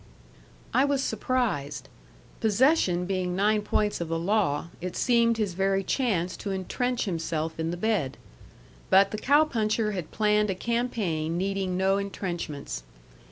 I was surprised. Possession being nine points of the law, it seemed his very chance to intrench himself in the bed. But the cow puncher had planned a campaign needing no intrenchments.